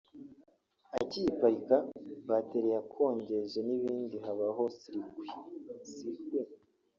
Akiyiparika bateri yakongeje n’ibindi habaho sirikuwi (circuit)